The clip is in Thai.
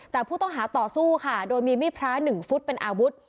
แต่ผู้ต้องหาต่อสู้ค่ะโดยมีมีดพระ๑ฟุตเป็นอาวุธ